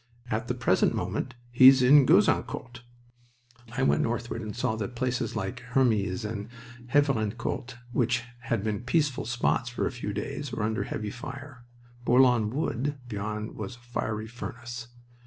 "At the present moment he's in Gouzeaucourt." I went northward, and saw that places like Hermies and Havrincourt, which had been peaceful spots for a few days, were under heavy fire. Bourlon Wood beyond was a fiery furnace.